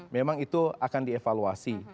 memang itu akan dievaluasi